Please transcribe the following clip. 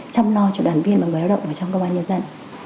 chăm lo cho đoàn viên và người đoàn động ở trong công an nhân dân